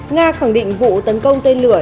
nga khẳng định vụ tấn công tên lửa